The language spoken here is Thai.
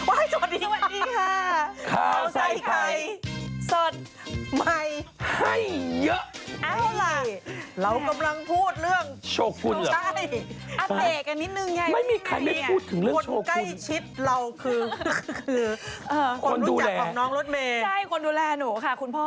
อันนี้มีความทรมานของไม่ต้องเอาใจที่ซักนาคต